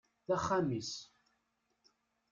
D axxam-is.